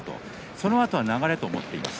そのあとは流れだと思っていました。